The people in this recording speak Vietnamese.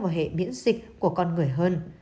vào hệ biễn dịch của con người hơn